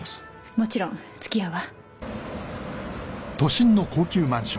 もちろん付き合うわ。